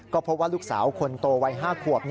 ก็พบว่าลูกสาวคนโตวัย๕ขวบ